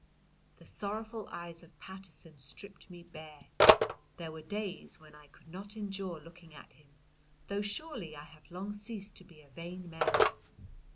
The sorrowful eyes of Paterson stripped me bare. There were days when I could not endure looking at him, though surely I have long ceased to be a vain man.